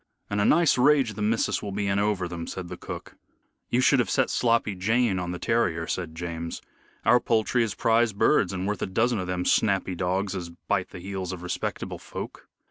"And a nice rage the missus will be in over them," said cook. "You should have set Sloppy Jane on the terrier," said James. "Our poultry is prize birds and worth a dozen of them snappy dogs as bite the heels of respectable folk."